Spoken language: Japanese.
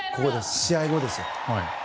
試合後ですよ。